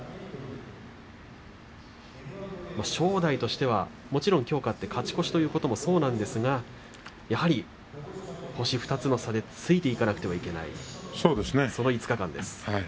正代としては、きょう勝って勝ち越しというのもそうなんですがやはり星２つの差でついていかなければならない５日間です。